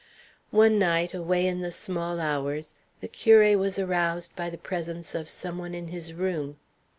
One night, away in the small hours, the curé was aroused by the presence of some one in his room.